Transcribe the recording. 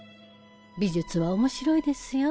美術は面白いですよ。